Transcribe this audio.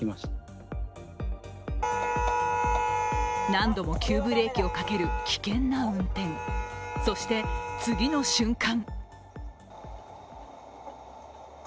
何度も急ブレーキをかける危険な運転そして、次の瞬間。